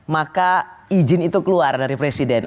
maka izin itu keluar dari presiden